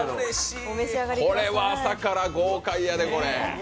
これは朝から豪快やで。